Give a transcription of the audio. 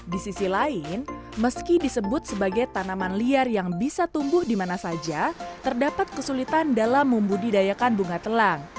di sisi lain meski disebut sebagai tanaman liar yang bisa tumbuh dimana saja terdapat kesulitan dalam membudidayakan bunga telang